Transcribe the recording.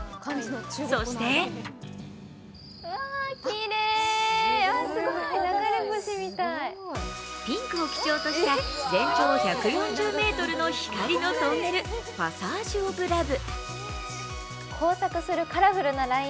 そしてピンクを基調とした全長１４０ｍの光のトンネル、パサージュ・オブ・ラブ。